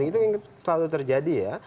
itu yang selalu terjadi ya